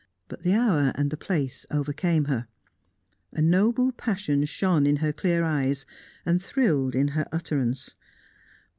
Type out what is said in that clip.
But the hour and the place overcame her; a noble passion shone in her clear eyes, and thrilled in her utterance.